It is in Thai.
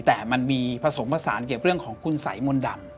แต่มันมีผสมผสานเกี่ยวกับเรื่องของคุณสัยมนต์ดำ